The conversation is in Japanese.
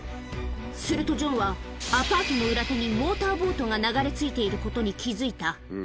するとジョンは、アパートの裏手にモーターボートが流れ着いていることに気付いた。